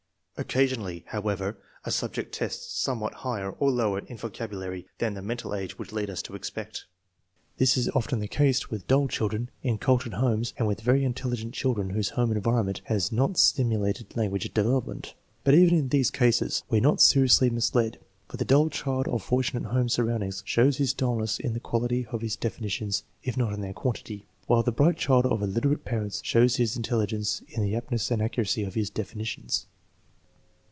Occasionally, however, a subject tests somewhat higher or lower in vocabulary than the mental age would lead us to expect. This is often the case with dull children in cul tured homes and with very intelligent children whose home environment has not stimulated language development. But even in these cases we are not seriously misled, for the dull child of fortunate home surroundings shows his dullness in the quality of his definitions if not in their quantity; while the bright child of illiterate parents shows his intelli gence in the aptness and accuracy of his definitions.